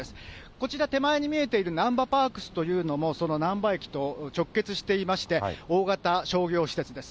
こちら手前に見えているなんばパークスというのも、そのなんば駅と直結していまして、大型商業施設です。